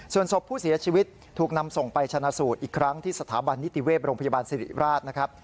ส่วนศพผู้เสียชีวิตถูกนำส่งไปชนะสูตรอีกครั้งที่สถาบันนิติเวศโรงพยาบาลสิริราชนะครับ